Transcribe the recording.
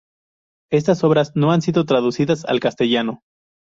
Estas obras no han sido traducidas al castellano.